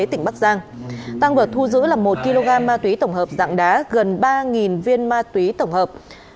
tăng vật thu giữ là một kg ma túy tổng hợp dạng đá gần ba viên ma túy tổng hợp